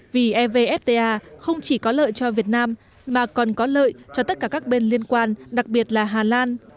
vì evfta không chỉ có lợi cho việt nam mà còn có lợi cho tất cả các bên liên quan đặc biệt là hà lan